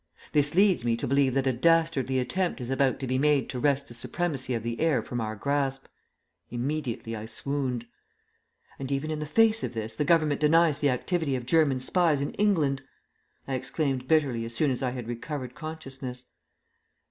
This leads me to believe that a dastardly attempt is about to be made to wrest the supremacy of the air from our grasp!" Immediately I swooned. "And even in the face of this the Government denies the activity of German spies in England!" I exclaimed bitterly as soon as I had recovered consciousness.